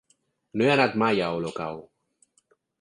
No he anat mai a Olocau.